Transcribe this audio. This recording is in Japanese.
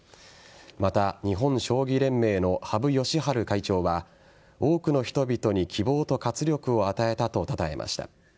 また、日本将棋連盟の羽生善治会長は多くの人々に希望と活力を与えたとたたえました。